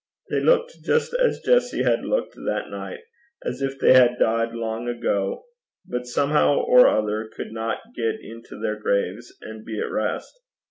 They looked just as Jessie had looked that night as if they had died long ago, but somehow or other could not get into their graves and be at rest.